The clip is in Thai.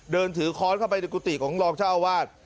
เดินถือค้อนเข้าไปในกุฏิของรองเจ้าอาวาส